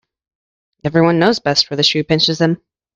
Every one knows best where the shoe pinches him.